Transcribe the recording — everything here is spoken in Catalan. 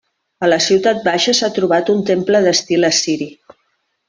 A la ciutat baixa s'ha trobat un temple d'estil assiri.